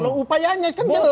loh upayanya kan jelas